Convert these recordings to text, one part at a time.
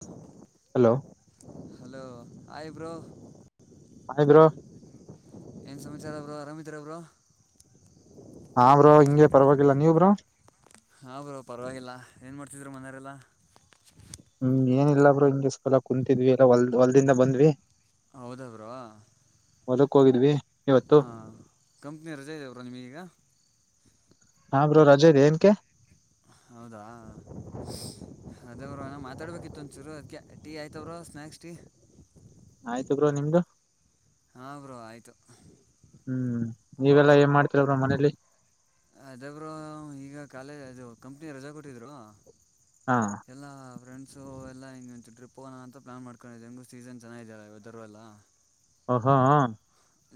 ಪ್ಚ್ hello hello ಆಯ್ bro hi bro ಏನು ಸಮಾಚಾರ bro ಅರಾಮಇದಿರಾ ಬ್ರೋ ಹಾ ಬ್ರೋ ಹಿಂಗೆ ಪರವಾಗಿಲ್ಲ ಪ್ಚ್ ನೀವ ಬ್ರೋ ಎಲ್ಲ ಹು ಹು ಏನಿಲ್ಲಾ ಬ್ರೋ ಹಿಂಗ ಸ್ವಲ ಕುೂಂತಿದ್ವಿ ಎಲ್ಲ ಹೊಲ್ದ ಹೊಲ್ದಿಂದ ಬಂದ್ವಿ ಹೌದ ಬ್ರೋ ಹೊಲಕ್ಕ್ ಹೋಗಿದ್ವಿ ಇವತ್ತು ಹಾ ಕಂಪನಿ ರಜೆಇದೆ ಬ್ರೋ ನಿಮಗ ಇಗ ಹಾ ಬ್ರೋ ರಜೆ ಇದೆ ಎದಕ್ಕೆ ಹೌದಾ ಹ್ಹು ಅದೇ ಬ್ರೋ ಮಾತಾಡ್ಬೇಕಿತ್ತು ಒಂದಚೂರು ಅದ್ಕ ಟೀ ಆಯ್ತ ಬ್ರೋ ಸ್ನಾಯಕ್ಸ್ ಟಿ ಆಯ್ತು ಬ್ರೋ ನಿಮ್ಮದು ಹಾ ಬ್ರೋ ಆಯ್ತು ಟಕ್ ಹ್ಮ್ ನೀವೆಲ್ಲಾ ಏನ್ ಮಾಡ್ತಿರ ಬ್ರೋ ಮನೇಲಿ ಅದೆ ಬ್ರೋ ಈಗ ಕಾಲೇಜ ಅದು ಕಂಪನಿ ರಜಾ ಕೊಟ್ಟಿದ್ರು ಹಾ ಎಲ್ಲಾ ಫ್ರೆಂಡ್ಸ್ ಸೊ ಎಲ್ಲ ಹಿಂಗೆಂತ ಟ್ರಿಪ್ ಹೋಗಣ ಅಂತ ಪ್ಲ್ಯಾನ್ ಮಾಡಕೊಂಡಿದ್ದೆ ಹಿಂಗು ಸೀಸನ್ ಚೆನ್ನಾರೆ ವೆದರ್ ಎಲ್ಲ ಹಾ ಹಾಆಆಆ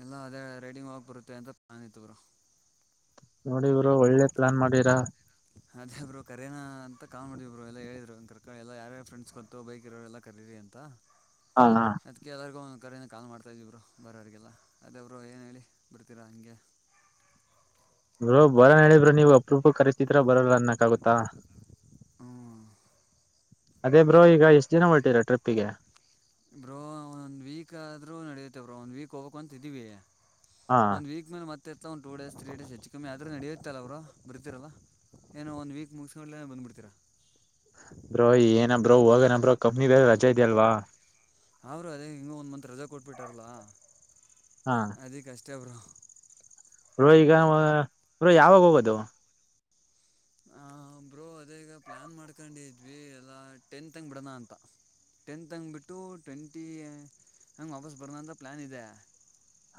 ಎಲ್ಲ ಅದೇ ರೈಡಿಂಗ್ ಹೋಗಾಕ್ ಬರುತ್ತೆ ಅಂತ ಪ್ಲ್ಯಾನ್ ಇತ್ತು ಬ್ರೋ ನೋಡಿ ಬ್ರೋ ಒಳ್ಳೆ ಪ್ಲಾನ್ ಮಾಡಿರಾ ತ್ತ ಕಾಮಿಡಿ ಬ್ರೋ ಎಲ್ಲ ಹೇಳಿದರು ಅಂತ ಕರ್ಕೊಳಿ ಯಾರ ಫ್ರೆಂಡ್ಸ್ಬಂತು ಬೈಕ್ ಇರೋರುಲ್ಲ ಕರೀರಿ ಅಂತ ಹಾ ಹಾ ಅದಕ್ಕೆ ಎಲ್ಲಾರಿಗೂ ಒಂದೊಂದ್ ಕರೆನ ಕಾಲ್ ಮಾಡ್ತಾಯಿದ್ದೀವಿ ಬ್ರೋ ಬರೋರಿಗೆಲ್ಲ ಅದೇಬ್ರು ಏನು ಹೇಳಿ ಬಿರ್ತೀರಾ ಹಂಗೆ ಜಿಯಾಜೀ ಗೋ ಗೋ ಗೋ ಬ್ರೋ ಬಾಯ್ ಹೇಳಿದ್ರ ನೀವು ಅಪರೂಪಕ ಕರೀತಿದೀರಾ ಬರಲ್ಲ ಅನ್ನಕ ಆಗುತ್ತಾ ಹ್ಞೂ ಅದೇ ಬ್ರೋ ಈಗ ಎಷ್ಟ್ ದಿನ ಹೊರ್ಟಿರಾ ಟ್ರಿಪ್ಪಿಗೆ ಬ್ರೋ ಒಂದ್ ವೀಕ್ ಆದ್ರೂ ನಡುತ್ತೆ ಬ್ರೋ ಒಂದ್ ವೀಕ ಹೋಗಬೇಕ ಅಂತ ಇದೀವಿ ಹಾ ಒಂದು ವೀಕ್ ಮೇಲೆ ಮತ್ತೆ ಇತ್ಲಾ ಒಂದು ಟೂ ಡೇಸ್ ತ್ರೀ ಡೇಸ್ ಹೆಚ್ಚು ಕಮ್ಮಿ ಆದ್ರೂ ನಡೆಯುತ್ತಲ್ಲ ಬ್ರೋ ಬರ್ತಿರಲ್ಲ ಏನ ಒಂದ ವೀಕ್ ಮುಗಿಸಗುಕ್ಲೇ ಬಂದ್ಬಡ್ತಿರಾ ಬ್ರೋ ಏನ ಬ್ರೋ ಹೋಗುಣಾ ಬ್ರೋ ಕಂಪನಿ ಬೇರೆ ರಜಾ ಇದೆ ಅಲ್ವಾ ಹಾ ಬ್ರೋ ಅದೇ ಹಿಂಗ ಒಂದ್ ಮಂತ್ ರಜಾ ಕೊಟ್ಬಿಟ್ಟಾರಲ್ಲ ಹಾ ಅದಕಸ್ಟೇ ಸ್ಟೇ ಬ್ರೋ ಬ್ರೋ ಈಗ ವಾ ಬ್ರೋ ಯಾವಾಗ ಹೋಗೋದು ಹ ಬ್ರೋ ಅದೇ ಈಗ ಪ್ಲಯಾನ್ ಮಾಡ್ಕೊಂಡಿದ್ವಿ ಎಲ್ಲ ಟೆಂತ್ ಹಂಗ ಬಿಡೋಣ ಅಂತ ಟೆಂತ್ ಬಿಟ್ಟು ಟ್ವೆಂಟಿ ಹಂಗೆ ವಾಪಸ್ ಬರೋಂತ ಪ್ಲಾನ್ ಇದೆ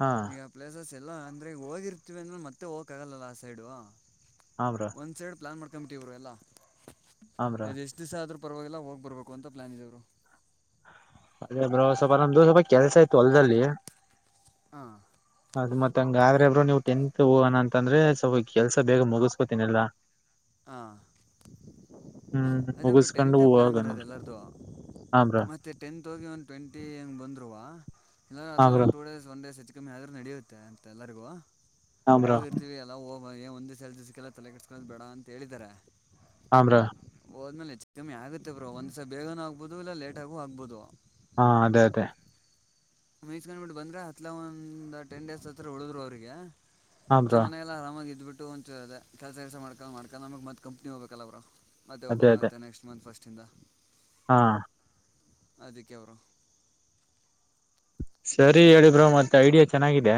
ಹಾ ಈಗ ಪ್ಲೇಸಸ್ ಎಲ್ಲ ಅಂದ್ರೆ ಹೋಗಿರ್ತೀವಿ ಅಂದ್ರೆ ಮತ್ತೆ ಹೋಗಕ್ಕಾಗಲ್ಲಲ್ಲ ಆ ಸೈಡು ಹಾ ಬ್ರೋ ಪ್ಲಾನ್ ಮಾಡ್ಕೊಂಡಬಿಟ್ಟಿವಿ ಬ್ರೋ ಎಲ್ಲ ಹ ಬ್ರೋ ಎಷ್ಟ್ ದಿವಸಾ ಆದ್ರೂ ಪರವಾಗಿಲ್ಲ ಹೋಗಿ ಬರಬೇಕು ಅಂತ ಪ್ಲ್ಯಾನ್ ಇದೆ ಬ್ರೋ ಅದೇ ಬ್ರೋ ಸ್ವಪ ನಮ್ಮದು ಸ್ವಲ್ಪ ಕೆಲಸಾ ಇತ್ತು ಹೊಲದಲ್ಲಿ ಪ್ಚ್ ಹಾ ಟಕ್ ಅದ ಮತ್ತಂಗ ಹಂಗ ಆದ್ರೆ ಬ್ರೋ ನೀವು ಟೆಂತ್ ಹೋಗೋಣ ಅಂತಂದ್ರೆ ಸ್ವಲ್ಪ ಕೆಲಸಾ ಬೇಗ ಮುಗಸ್ಕೊತೀನೆಲ್ಲಾ. ಹಾ ಹೋದ ಹ್ಮ್ ಅದೇ ಬ್ರೋ ಮುಗಿಸ್ಕೊಂಡು ಟೆಂತ್ ಅ ಪ್ಲಾನ್ ಹೋಗೋಣ ಇರೋದು ಎಲ್ಲಾರ್ದು ಹಾ ಬ್ರೋ ಮತ್ತೆ ಟೆಂತ್ ಹೋಗಿ ಟ್ವೆಂಟಿ ಹೆಂಗ್ ಬಂದ್ರುವಾ ಹಾ ಬ್ರೋ ಒಂದು ಟು ಡೇಸ್ ಹೆಚ್ಚು ಕಮ್ಮಿ ಕಮ್ಮ ಆದ್ರೂ ನಡೆಯುತ್ತೆ ಅಂತ ಎಲ್ಲರಿಗೂ ಹಾ ಬ್ರೋ ಹೋಗರಿತೇವಿ ಎಲ್ಲಾ ಹೋಗ್ [inaudible] ಆ್ರ ಹೋದ್ಮೇಲೆ ಕಮ್ಮಿ ಆಗುತ್ತೆ ಬ್ರೋ ಒಂದ್ಸ ಬೇಗನೂ ಆಗ್ಬಹುದು ಇಲ್ಲ ಲೇಟ್ಾಗೂ ಆಗ್ಬಹದು ಹಾ ಅದೇ ಅದೇ ಮೀಸ್ಕಂಡ್ಬಿಟ್ಟು ಬಂದ್ರೆ ಹತ್ಲ ಒಂದ್ ಟೆನ್ ಡೇಸ್ ಹತ್ರ ಉಳಿದ್ರು ಅವ್ರಿಗೆ ಹಾ ಚ ಬ್ರೋ ಮನ ಎಲ್ಲ ಆರಾಮ ಆಗತ್ತು ಬಿಟ್ಟಿ ಂದೆ ಕೆಲಸ ಕೆಲಸ ಮಾಡ್ಕೊಂಡ ಮಾಡ್ಕ ನಮ ಮತ್ತ ಕಂನಿ ಹೋಗಬೇಕಲ್ಲ ಅವರು ಮತ್ತೆ ಅದೇ ಓಪನ್ ಅದೇ ಆಗುತ್ತೆ ನೆಕ್ಸ್ಟ್ ಮಂತ್ ಫಸ್ಟ್ ತಿಿಂದ ಹಾ ಅದಕ್ಕೆ ಬರ ಸರಿ ಹೇಳಿಬ್ರೋ ಮತ್ತೆ ಐಡಿಯಾ ಚೆನ್ನಾಗಿದೆ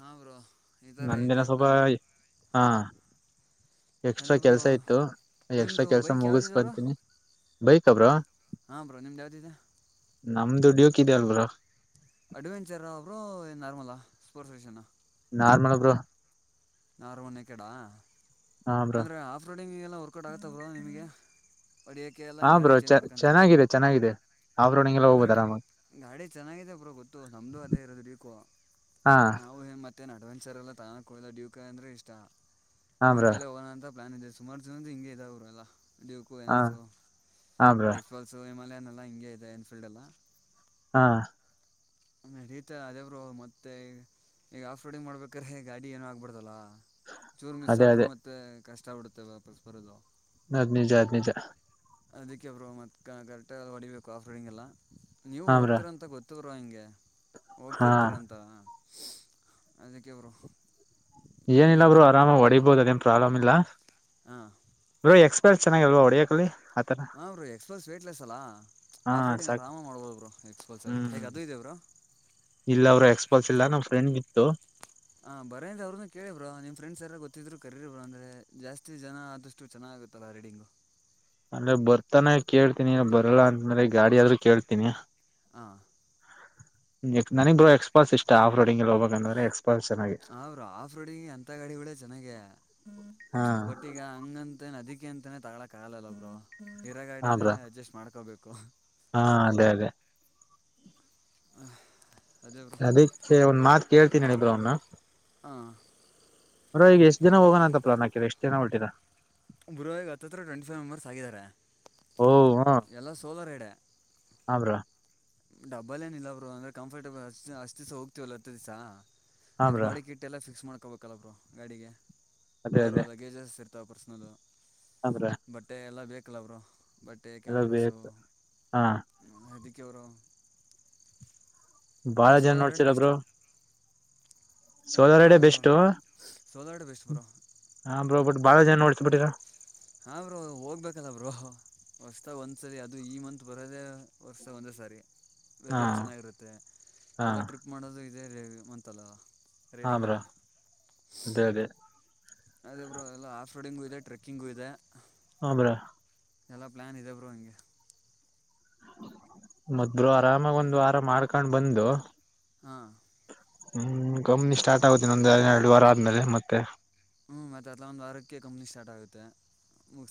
ಹಾ ಬ್ರೋ ಈಥರ ನಂದೇನ ಇದೆ ಸ್ವಲ್ಪ ಪ್ಲಾನು ಹಾ ಎಕ್ಸ್ಟ್ರಾ ಕೆಲ್ಸ ಇತ್ತು ಎಕ್ಸ್ಟ್ರಾ ನಿಮ್ಮದು ಕೆಲ್ಸ ಬೈಕ್ ಮುಗಸ್ಕೊತೀನಿ ಬೈಕ್ಬ್ರ ಹಾ ಪ್ರನಿಮ್ ಯಾವದಿದೆ ನಮ ದುಡ್ಯೋಕ್ಿದೆ ಅಲ್ರ ಅಡ್ವೆಂಚರ್ ಅವರು ನಾರ್ಮಲಾ ಸ್ಪೋರ್ಟ್ಸ್ ವಿಷಯನ ನಾರ್ಮಲ್ ಒಬ್ರು ನಾರ ಒ ಕಡ ಹಾ ಬ್ರೋ ಅಂದ್ರೆ ಆಫ ನಿಮಗೆಲ್ಲ ವರ್ಕೌಟ್ ಆಗತ ಬ ನಿಮಗೆ ಹೊಡಿಯೋಕ್ಕೆ ಎಲ್ಲ ಹ ಹಿಂಗೆ ಗಾಡಿ ಬ್ರೋ ಚ ಚೆನ್ನಾಗಿದೆ ಚೆನ್ನಾಗಿದೆ ರೋಡಿಂಗ್ ಎಲ್ಲ ಅಂದ್ರೆ ಹೋಗ್ಬೋದು ಆರಾಮಾಗಿ ಗಾಡಿ ಚೆನ್ನಾಗಿದೆ ಬ್ರ ಗೊತ್ತು ನಮ್ದು ಅದೇ ಇರೋದು ಬೇಕೋ ಹಾ ನಾವು ಮತ್ತ ಅಡ್ವೆಂಚರ್ ಎಲ್ಲ ತ ಡೂಕ ಅಂದ್ರೆ ಇಷ್ಟ ಹಾ ಡ ಬ್ರೋ ಕಲ್ಲ ಹೋಗೋಣ ಅಂತ ಪ್ಲಾನ್ ಸುಮಾರು ದ ಹಿಂಗ ಇದಲ್ಲ ಡಕೋ ಎನ್ ಹಾ ಎಸ್ ಹಾ ಬ್ರೋ ಎಕ್ಸ್ಪಲ್ಸ್ ಮಲ್ಲನಲ್ಲ ಹಿಂಗೆ ಇದೆ ಎನ್ ಫೀಲ್ಡ್ ಎಲ್ಲ ಹಾ ಅ ರೀತ ಅದೇಬ್ರು ಮತ್ತೆ ಈಗ ಆಫ್ ರೋಡಿಂಗ್ ಮಾಡ್ಬೇಕ್ರೆ ಗಾಡಿ ಏನ ಆಗ್ಬಡ್ದಲ್ಲ ಚೂರ್ ಮಿಸ್ ಅದೇ ಆದ್ರು ಅದೇ ಮತ್ತೆ ಕಷ್ಟ ಬಿಡುತ್ತೆ ವಾಪಸ್ ಬರೋದು ಅದ ನಿಜ ಅದ ನಿಜ ಅದಕ್ಕೆಬ್ರು ಮತ್ ಕರೆಕ್ಟ ಹೊಡಿಬೇಕು ಆಫ್ರೋಡಿಂಗ್ ಎಲ್ಲ ನೀವು ಹಾ ಬ್ರೋ ಹೋಗ್ತಿೀರಾ ಅಂತ ಗೊತ್ತ ಇ ಹಿಂಗೆ ಹಾ ಹೋಗ್ತಿರ್ತರ ಅಂತ ಅದಕ್ಕೆ ಇವರು ಏನಿಲ್ಲಬ್ರು ಆರಾಮ ಹೊಡಿಬೋುದು ಅದೇನ್ ಪ್ರಾಬ್ಲಮ್ ಇಲ್ಲ ಹ ಬ್ರೋ ಎಕ್ಸ್ಪರ್ಟ್ ಚೆನ್ನಾಗಿಲ್ವ ಹೊಡಕಕ್ಲಿ ಹಾಂ ಬರು ಎಕ್ಸ್ಪೋಲ್ಸ್ ವೇಟ್ಲೆಸ್ಲ್ಲ ಹಾ ಆಫ್ ರೋಡಂಗ ಸಾಕ್ ಆರಾಮಾಗಿ ಮಾಡ್ಬೋದು ಬರು ಎಕ್ಸ್ಪೋಲ್ಸಲ್ಲಿ ಹೇಗೆ ಹ್ಮ್ ಅದು ಇದೆ ಬರು ಇಲ್ಲ ಅವ್ರು ಎಕ್ಸ್ಪಾಲ್ಸ್ ಇಲ್ಲ ನಮ್ಮ್ ಫ್ರೆಂಡ್ ಬಿತ್ತು ಹಾ ಬರೇಂದ ಅವ್ರನು ಕೇಳೇಬ್ರ ನಿ್ ಫ್ರೆಂಡ್ಸ್ ಎಲ್ಲ ಗೊತ್ತಿದ್ರು ಕರೀರಿಬ್ರ ಅಂದ್ರೆ ಜಾಸ್ತಿ ಜನ ಆದಷ್ಟು ಚೆನ್ನಾಗಿ ಆಗುತ್ತಲ್ಲ ರೀಡಿಂಗ್ ಅಂದ್ರೆ ಬರ್ತಾನೆ ಕೇಳ್ತೀನಿ ಬರಲ್ಲ ಅಂತ ಮೇಲೆ ಗಾಡಿಾದ್ರೂ ಕೇಳ್ತೀನಿ ಹ ನನಗ್ ಎಕ್ಸ್ಪಾಸ್ ಇಷ್ಟ ಆಫ್ ರೋಡಿಂಗಗೆಲ್ಲಿ ಹೋಗಬೇಕ ಅಂದ್ರೆ ಎಕ್ಸ್ಪ ಅವರು ಆಫ್ ರೋಡಂಗ ಎಂತ ಗಾಡಿಗಳೆ ಚೆನ್ನಾಗೇ ಹಾ ಬಟ್ ಈಗ ಹಂಗಂತೇನ್ ಅದಿಕ್ ಅಕೆ ಅಂತಾನೇ ತಗಳಕ್ಗಾಲಲ್ಲ ಬರು ಇರೋ ಹಾ ಗಾಡಲ್ಲೇ ಬ್ರೋ ಅಡ್ಜಸ್ಟ್ ಮಾಡ್ಕೋಬೇಕು ಹಾ ಅದೇ ಅದೇ ಹ ಅದಿಕ್ಕೆ ಒಂದ್ ಮಾತ್ ಕೇಳ್ತೀನಿ ಇಬ್್ರ ಅವನ್ನ ಹಾಂ ೋ ಈಗ ಎಷ್ಟ ಜನ ಹೋಗಣಂತ ಪ್ಲಾ ಹಾಕರ ಎಷ್ಟ ಜನ ಹೊಟಿದಾ ಬುರುವರಿಗೆ ಹತ್ತತ್ರ ಟ್ವೆಂಟಿ ಫೋರ್್ ಮೆಂಬರ್ಸ್ ಆಗಿದ್ದಾರೆ ಓ ಎಲ್ಲ ಸೋಲ ರ ಇಡೆ ಹಬ್ರಾ ಡಬ್ಬಲ್ ಏನಿಲ್ಲ ಅವರು ಅಂದ್ರೆ ಕಂಫರ್ಟೇಬಲ್ ಅಷ್ಟ ದಿವಸ ಹೋಗ್ತೀವಲ್ಲ ಹತ್ತು ದಿವ್ಸ ಹಾ ವಿತ್ ಬ್ರೋ ಬಾಡಿ ಕಿಟ್ ಎಲ್ಲ ಫಿಕ್ಸ್ ಮಾಡ್ಕೋಬೇಕಲ್ಲರು ಗಾಡಿಗೆ ಅದೇ ಅವ್ರ ಅದೇ ಅವ ಗೇಜಸ್ ಇರ್ತ ಪರ್ಸ್ನದು ಅಂದ್ರೆ ಬಟ್ಟೆ ಎಲ್ಲ ಬೇಕಲ್ಲ ಅವರು ಬಟ್ಟೆ ಎಲ್ಲ ಕ್ಯಾಮ್ರಾಸು ಬೇಕು ಹಾ ಇದಕ್ಕೆವರು ಬಾಳ ಜನ ಸೋಲಾರ್ ರೈಡ್ ಬೆಸ್ಟು ನೋಡ್ತರಬ್ರು ಹಾಂ ಸೋದಾರಡೆ ಬ್ರೋ ಸೋಲೋಡೆ ಬೆಸ್ಟ್ ಬ್ರೋ ಬೆಸ್ಟ್ೋಬಟ್ ಬಾಳ ಜನ ನೋಡಸ್ ಬಿಟ್ಟಿರಾ ಹಾ ಬ್ರರು ಹೋಗ್ಬೇಕಲ್ಲ ಬ್ರರು ವರ್ಷತ ಒಂದ್ ಸರಿ ಅದು ಈ ಮಂತ್ ಬರೋದೆೇ ಹೊರ್ತ ಒಂದೇ ಸಾರಿ ಹಾ ವೆದರ್ ಚೆನ್ನಾಗಿರುತ್ತೆ ಹಾ ಎಲ್ಲ ಟ್ರಿಪ್ ಮಾಡೋದು ಇದದೆ ರ ಅಂತಲ್ಲ ಹಮ್ರ ಅದೇ ಅದೇ ಅದ ಒಬ್ರು ಎಲ್ಲ ಆಫ್ ರೋಡಿಂಗು ಇದೆ ಟ್ರೆಕ್ಕಿಂಗು ಇದೆ ಹ ಬ್ರೋ ಎಲ್ಲ ಪ್ಲಾನ್ ಇದೆ ಬ್ರೋ ನಿಮಗೆ ಮತ್ತ್ ಬ್ರೋ ಆರಾಮಾಗ ಒಂದು ವಾರ ಮಾಡ್ಕೊಂಡ್ ಬಂದು ಹಾ ಹ್ಮ್ ಕಮ್ಮಿ ಸ್ಟಾರ್ಟ್ ಆಗುತ್ತೆ ಒಂದ ಎರಡು ವಾರ ಆದ್ಮೇಲೆ ಮತ್ತೆ ಹ್ಮ್ ಮತ್ತ ಅತ್ಲ ಒಂದ ವಾರಕ್ಕೆ ಕಂಪನಿ ಸ್ಟಾರ್ಟ್ ಆಗುತ್ತೆ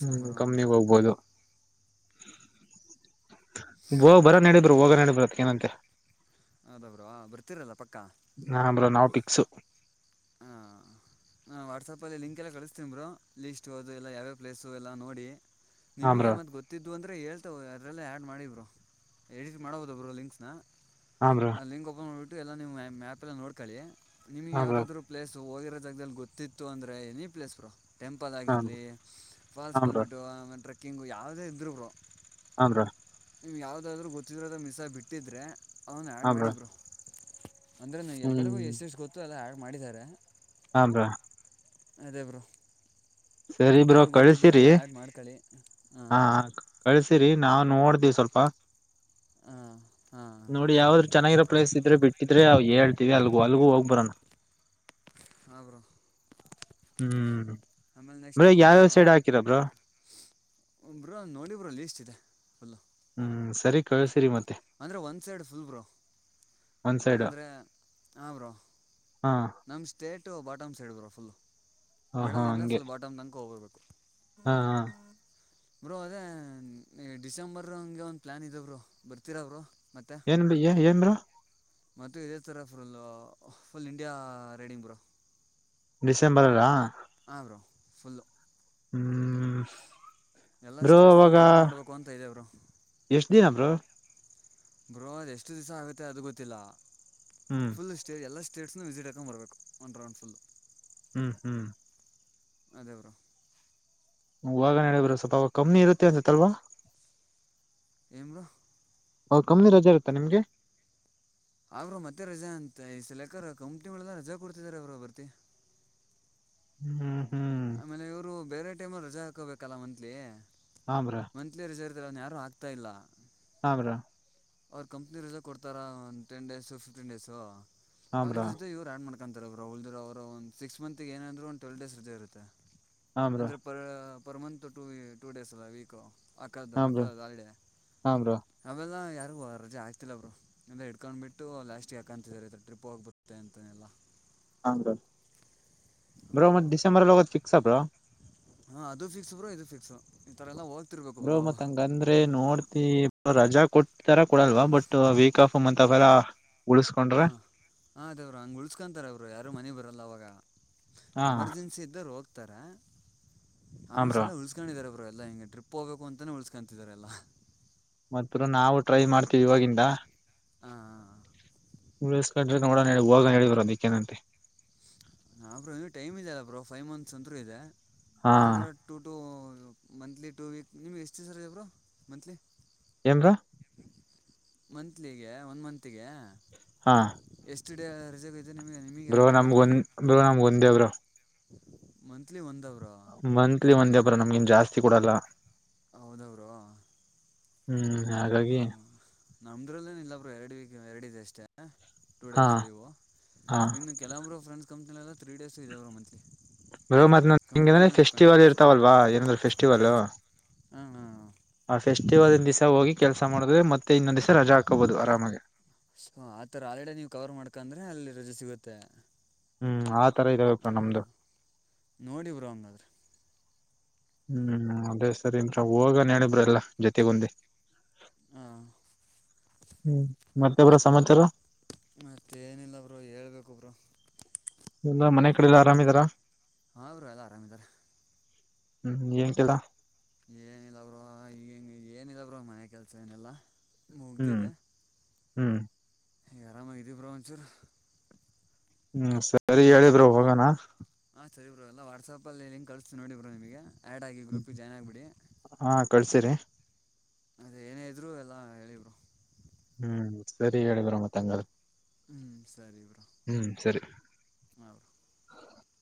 ಹ್ಮ್ ಅಂತ ಕಮ್ಮನಿಗ್ ಬ್ರೋ ಅದಕ್ಕೆ ಹೋಗ್ಬೋದು ಬ್ರೋ ಬರನ್ ನೋಡಿ ಬ್ರೋ ಹೋಗ್ಬರೋದ ಅದಕ್ಕೆನಂತೆ ಹೌದ ಬ್ರೋ ಬರ್ತಿರಲ್ಲ ಪಕ್ಕ ಹಾ ಬ್ರೋ ನಾವ್ ಫಿಕ್ಸ್ ವಾಟ್ಸಾಪಲ್ಲಿ ಲಿಂಕ್ ಎಲ್ಲ ಕಳಿಸ್ತೀರು ಲೀಸ್ಟ್ ಅದು ಎಲ್ಲ ಯಾವ ಪ್ಲೇಸು ಎಲ್ಲ ನೋಡಿ ಹಾ ನಿಮಗೆ ಬ್ರೋ ಮತ್ತ್ ಗೊತ್ತಿದ್ದು ಅಂದ್ ಅ ಹೇಳ್ತಾವವೆ ಅದರಲ್ಲ ಆ್ಯಡ್ ಮಾಡಿ‌ ಬ್ರೋ ಎಡಿಟ್ ಮಾಡಬೋದು ಬ್ರೋ ಲಿಂಕ್ಸ್ನ ಹಾ ಬ್ರೋ ಆ ಲಿಂಕ್ ಓಪನ್ ಮಾಡಿಬಿಟ್ಟು ಎಲ್ಲ ನೀವು ಮ್ಯಾಪಲ್ಲ ನೋಡ್ಕೊಳ್ಳಿ ನಿಮಗೆ ಹಾ ಬ್ರೋ ಯಾವುದಾದ್ರು ಸೊ ಹೋಗಿರೋ ಜಾಗದಲ್ಲಿ ಗೊತ್ತಿತ್ತು ಅಂದ್ರೆ ಎನಿ ಪ್ಲೇಸ್ ಬ್ರೋ ಟೆಂಪಲ್ ಹಾ ಬ್ರೋ ಆಗಿರಲಿ ಫಾಲ್ಸ್ ಹಾ ಬ್ರೋ ಬಂದ್ಬಿಟ್ಟು ಆಮೇಲೆ ಟ್ರೆಕ್ಕಿಂಗು ಯಾವುದೇ ಇದರು ಬ್ರೋ ಹ ಬ್ರೋ ನಿಮ್ಗೆ ಯಾವುದಾದ್ರು ಗೊತ್ತಿದರೋದು ಮಿಸ್ಸಾಗಿ ಬಿಟ್ಟಿದ್ರರೆ ಅದನ್ನು ಆ್ಯಡ್ ಮಾಡಿ ಬ್ರೋ ಅಂದ್ರೆ ಎಲ್ಲರಿಗೂ ಹ್ಮ್ ಎಷ್ಟ್ ಎಷ್ಟ್ ಗೊತ್ತು ಎಲ್ಲ ಆಡ್ ಮಾಡಿದ್ದಾರೆ ಹಾ ಬ್ರೋ ಅದೇ ಬ್ರೋ ಸರಿ ಬ್ರೋ ನೀವು ಗೊತ್ತಿದ್ದವೆಲ್ಲ ಕಳ್ಸಿರಿ ಆ್ಯಡ್ ಮಾಡ್ಕೊಳ್ಳಿ ಹಾಂ ರಿ ನಾವು ನೋಡ್ದ ಸ್ವಲ್ಪ ಹ ನೋಡಿ ಯಾವಾದ್ರು ಚೆನ್ನಾಗಿರೋ ಪ್ಲೇಸ್ ಇದ್ರೆ ಬಿಟ್ಟಿದ್ರೆ ಹೇಳ್ತೀವಿ ಅಲ್ಗ ಅಲ್ಗೂ ಹೋಗ್ ಬರೋಣ ಹ ಬ್ರೋ ಹ್ಮ್ ಆಮೇಲೆ ಬ್ರೋ ನೆಕ್ಸ್ಟು ಯಾವ್ಯಾವ ಸೈಡ್ ಹಾಕಿಲ್ಲ ಬ್ರೋ ಬ್ರೋ ನೋಡಿ ಬ್ರೋ ಲೀಸ್ಟ್ ಇದೆ ಫುಲ್ಲು ಹ್ಮ್ ಸರಿ ಕಳ್ಸಿರಿ ಮತ್ತೆ ಅಂದ್ರೆ ಒಂದ್ ಸೈಡ್ ಫುಲ್ ಬ್ರೋ ಒಂದ್ ಸೈಡ್ ಅಂದರೆ ಹ ಬ್ರೋ ಹಾ ನಮ್ಮ state bottom side bro full ಹ ಹಾ ಮೆಡಲ್ ಇಂದ ಹಂಗೆ ಫುಲ್ ಬಾಟಮ್ ತನಕ ಹೋಗ್ರ್ಬೇಕು ಹಾ ಹಾ ಬ್ರೋ ಅದೇ ಡಿಸೆಂಬರ್ ಹಂಗೆ ಒಂದ್ ಪ್ಲಾನ್ ಇದೆ ಬ್ರೋ ಬರ್ತೀರ ಬ್ರೋ ಮತ್ತೆ ಏನ್ ಬ್ರೋ ಏನ್ ಬ್ರೋ ಮತ್ತು ಇದೇ ಥರ ಫುಲ್ ಫುಲ್ ಇಂಡಿಯಾ ರೈಡಿ ಬ್ರೋ ಡಿಸೆಂಬರ್ ಅಲ್ಲಾ ಹ ಬ್ರೋ ಫುಲ್ಲು ಹ್ಮ್ ಎಲ್ಲ ಬ್ರೋ ಸ್ಟೇಟ್ಸ್ನೂ ಅವಾಗ ಕವರ್ ಮಾಡಬೇಕು ಅಂತ ಇದ ಬ್ರೋ ಎಷ್ಟ್ ದಿನ ಬ್ರೋ ಬ್ರೋ ಎಷ್ಟು ದಿವಸ ಆಗುತ್ತೆ ಅದು ಗೊತ್ತಿಲ್ಲ ಹ್ಮ್ ಫುಲ್ ಸ್ಟೇಜ್ ಎಲ್ಲ್ಟ ಸ್ಟೇಟ್ಸ್ನ ವಿಸ್ಟಿ ಹಾಕೊಂಬರಬೇಕು ಒಂದು ರೌಂಡ್ ಫುಲ್ಲು ಹ್ಮ್ ಹ್ಮ್ ಅದೇ ಬ್ರೋ [inaudible] ಹೋಗನ ಹೇಳ ಬ್ರೋ ಸ್ವಲ್ಪ ಅವಾಗ ಕಮ್ಮನಿ ಇರುತ್ತೆ ಅನ್ಸುತ್ತೆ ಅಲ್ವಾ ಏನ್ ಬ್ರೋ [inaudible] ಹ ಕಮ್ಮನಿ ರಜೆ ಇರುತ್ತಾ ನಿಮ್ಗೆ ಅವರು ಮತ್ತೆ ರಜಾ ಅಂತ ಈ ಈ ಸಲ ಯಾಕೋ ಕಂಪ್ನಿಗಳೆಲ್ಲ ರಜಾ ಕೊಡ್ತಿದಿದ್ದಾರೆ ಅವರು ಬರ್ತಿ ಹ್ಮ್ ಹ್ಮ್ ಆಮೇಲೆ ಇವರು ಬೇರೆ ಟೈಮಲ್ಲಿ ರಜಾ ಹಾಕೋಬೇಕಲ್ಲ ಮಂತ್ಲಿ ಹಾ ಬ್ರೋ ಮಂತ್ಲಿ ರಜೆ ಯಾರು ಆಗ್ತಾ ಇಲ್ಲ ಹ್ರಾ ಅವರು ಕಂಪ್ನಿ ರಜಾ ಕೊಡ್ತಾರ ಒಂದು ಟೆನ್ ಡೇಸ ಫಿಫ್ಟನ್ ಡೇಸು ಹಾ ಬ್ರೋ ಅ್ರ ಇವ್ರು ಆ್ಯ ಮಾಡ್ಕಾರೆ ಕಂತಾರೆ ರಹಲ್ರ್ರ ಅವರು ಒಂದು ಸಿಕ್ಸ್ ಮಂತತ್ ಏ ಅಂದರು ಒ ಟ್ವೆಲ್ ಡೇ ರಜ ಇತ್ತೆ ಹಾ ಬ್ರೋ ಅಂದ್ರೆ ಪರ್ ಪರ್ ಮಂತ್ ಟ ಟೂ ಡೇಸ್ ಅಲ್ಲ ವೀಕ ಆಕಳದು ಹಾ ಬ್ರೋ ಆಕಳದು ಅ ಹಾ ಬ್ರೋ ಹಾ ಬ್ರೋ ಅವೆಲ್ಲ ಯ ವ ರಜೆ ಆಗ್ತಿಲ್ಲ ಬರು ಎಲ್ಲ ಹಿಡ್ಕೊಂಡ್ಬಿಟ್ಟು ಲಾಸ್ಟ್ಿಗೆ ಯಾಕಂತಿದ ಈ ಟ್ರಿಪ್ ಹೋಗಿಬುತ್ತೆ ಅಂತನೆಲ್ಲ ಹಾ್ರ ಬ್ರೋ ಮತ್ ಡಿಸೆಂಬರ್ ಅಲ್ಲಿ ಹೋಗೋದ್ ಫಿಕ್ಸ ಆ ಬ್ರೋ ಹಾಂ ಅದು ಫಿಕ್ಸ್ ಬ್ರೋ ಇದು ಫಿಕ್ಸು ಈ ತರ ಎಲ್ಲ ಹೋಗಿ ಬ್ರೋ ಮತ್ ಹಂಗಂದ್ರೆ ನೋಡ್ತಿ ರಜಾ ಕೊಟ್ಟತಾರ ಕೊಡಲ್ವ ಬಟ್ ವೀಕ್ ಆಫ್ ಅತ್ ಅವಲ್ಲ ಹ ಅದವರು ಹಂಗ ಉಳ್ಸ್ಕೊಂತಾರ ಅವರು ಯಾರು ಮನೆಿ ಬರಲ್ಲ ಅವಾಗ ಹಾ ಎಮರ್ಜೆನ್ಸಿ ಇದ್ದರು ಹೋಗ್ತಾರ ಹ ಆಲ್ಮೋಸ್ಟ್ ಬ್ರೋ ಎಲ್ಲ ಉಳ್ಸ್ಕೊಂಡಿದಾರ ಎಲ್ಲ ಹಂ ಟ್ರಿಪ್ ಹೋಗಬೇಕು ಅಂತಾನೇ ಉಳಸ್ಕೊತಿದಾರೆಲ್ಲ ಮತ್ತ ನಾವು ಟ್ರೈ ಮಾಡ್ತೀವಿ ಇವಾಗಿಂದ ಹಾಂ ಉಳಕೊಂಡ್ರ ನೋಡ ಹೋಗ ಹೇಳಿದ್ರು ಅದಕ್ಕೆನಂತೆ ಹಾ ಬ್ರೋ ಇ ಟೈಮ್ ಇದೆ ಅಲ್ಲ ಬ್ರರು ಫೈವ್ ಮಂತ್ಸ್ ಅಂತೂ ಇದೆ ಹಾ ಅದದ two to monthly two week ನಿಮ್ಗೆ ಎಷ್ಟು ಸರ್ಬ್ರು ಮಂತ್ಲಿ ಏನ್್ರಾ ಮಂತ್ಲಿಗೆ ಒನ್ ಮತ್ಗೆ ಹಾ ರಜೆ [inaudible] ಬ್ರೋ ನಮಗೊಂದ್ ಬ್ರೋ ನಮ್ಗ ಒಂದೇ ಬರುೋ ಮತ್ ಮಂತ್ಲಿ ಒಂದೇ ಬ್ರ ನಮ್ಗಿನ್ ಜಾಸ್ತಿ ಕೊಡಲ್ಲ ಹೌದ ಬ್ರೋ ಹ್ಮ್ ಹಾ ಹಾಗಾಗಿ ನಮ್ದ್ರಲ್ಲೇನ ಇಲ್ಲಾ ಬ್ರರು ಎರಡು ಎರಡಿದೆ ಅಷ್ಟೇ ಟೂ ಹಾ ಡೇಸ್ ಲೀವು ಹಾ ಇ ಕೆಲವೊರು ಫ್ರೆಂಡಸ್ ಕಂಪ್ನಿಲ್ಲ ತ್ರೀ ಡೇಸು ಇದಾವ ರ ಮಂತ್ಲಿ ಬ ಮತ್ ಕಂಪ್ನಿ ಹಂಗಗೆಂದ್ರೆ ಮೇಲೆ ಡಿಪೆಂಡ್ ಫೆಸ್ಟಿವಲ್ ಆಗುತ್ತೆ ಇರ್ತಾವಲ್ವಾ ಏನಂದ್ರೂ ಫೆಸ್ಟಿವಲ್ ಹಾಂ ಹಾಂ ಆ ಫೆಸ್ಟಿವಲ್ನ್ ದಿವಸ ಹೋಗಿ ಕೆಲ್ಸ ಮಾಡಿದ್ರೆ ಮತ್ತೆ ಇನ್ನೊಂದ್ ದ್ಸ ರಜಾ ಹಾಕಬಹುದು ಆರಾಮಾಗಿ ಅೊ ಆತರ ಆಲ್ಡೆ ನೀವು್ ಕವರ್ ಮಾಡ್ಕಂದ್ರೆ ಅಲ್ಲಿ ರಜೆ ಸಿಗುತ್ತೆ ಹ್ಮ್ ಆ ತರ ಇದಾವ ಹಾಂ ನಮ್ದು ನೋಡಿ ಬ್ರೋ ಹಂಗಾದ್ರೆ ಹ್ಮ್ ಅದೇ ಸರಿ ಹೋಗ ನಣಬ್ರ ಎಲ್ಲ ಜೊತೆಗೊಂದಿ ಹ ಹ್ಮ್ ಮತ್ತೆಬ್ಬರ ಸಮಾಚಾರ ಮತ್ತೆ ಏನಿಲ್ಲ ಬರು ಹೇಳ್ಬೇಕೊಬ್ರು ಇ ಮನೆ ಕಡೆಲ್ಲ ಆರಾಮ್ಿದಾರಾ ಹಾ ಅವರು ಎಲ್ಲ ಆರಾಮಿದಾರ ಹ್ಮ್ ಏನ್ ಕೆಲ್ಲ ಏನಿಲ್ಲವರು ಈ ಏನಿಲ್ಲವರು ಮನೆ ಕೆಲ್ಸ ಏನೆಲ್ಲಾ ಹ್ಮ್ ಹ್ಮ್ ಯಾರಾಮ ಇದೆ ಪ್ರಮಚರ್ ಹ್ಮ್ ಸರಿ ಹೇಳಿದ್ರು ಹೋಗಣ ಹಾಂ ಸರಿ ಬ್ರೋ ಅಲ್ಲ ವಾಟ್ಸಪಲ್ಲಿ ಲಿಂಕ್ ಕಳಿಸತು ನೋಡಿ ಬ್ರೋ ನಿಮಗೆ ಆ್ಯಡ್ ಆಗಿ ಹ್ಮ ಗ್ರೂಪಿಗೆ ಜಾಯ್ನ್ ಆಗಿಬಿಡಿ ಹಾ ಕಳ್ಸಿರಿ ಅದೇ ಏನೇ ಇದ್ರು ಎಲ್ಲ ಹೇಳಿ ಬರು ಹ್ಮ್ ಸರಿ ಹೇಳಿದ್್ರ ಮತ್ತಂಗ ಹ್ಮ್ ಸರಿ ಬ್ರಾ ಸರಿ ಹ